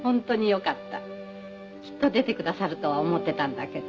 「きっと出てくださるとは思っていたんだけど」